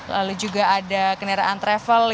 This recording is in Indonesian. lalu juga ada kendaraan travel